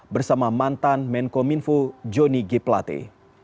bersama mantan menko minfo johnny g plate